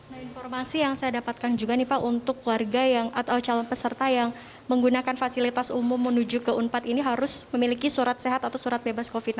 nah informasi yang saya dapatkan juga nih pak untuk warga atau calon peserta yang menggunakan fasilitas umum menuju ke unpad ini harus memiliki surat sehat atau surat bebas covid sembilan belas